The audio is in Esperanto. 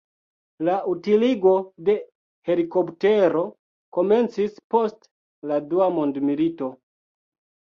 La utiligo de helikoptero komencis post la dua mondmilito.